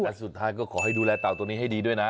และสุดท้ายก็ขอให้ดูแลเต่าตัวนี้ให้ดีด้วยนะ